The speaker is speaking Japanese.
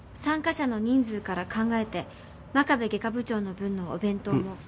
参加者の人数から考えて真壁外科部長の分のお弁当も。